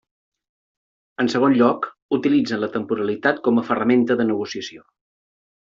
En segon lloc, utilitzen la temporalitat com a ferramenta de negociació.